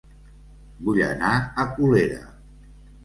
Vull anar a Colera